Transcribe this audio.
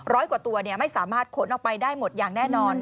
กว่าตัวไม่สามารถขนออกไปได้หมดอย่างแน่นอน